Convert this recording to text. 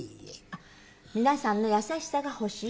あっ皆さんの優しさが欲しい？